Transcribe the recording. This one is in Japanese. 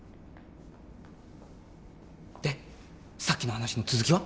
でさっきの話の続きは？